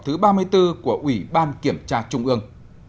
họp thứ ba mươi bốn của ủy ban kiểm tra trung ương